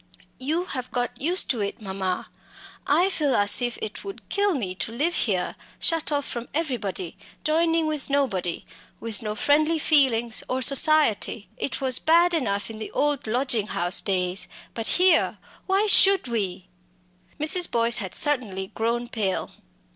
"You have got used to it, mamma! I feel as if it would kill me to live here, shut off from everybody joining with nobody with no friendly feelings or society. It was bad enough in the old lodging house days; but here why should we?" Mrs. Boyce had certainly grown pale.